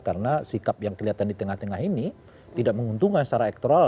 karena sikap yang kelihatan di tengah tengah ini tidak menguntungkan secara ekstral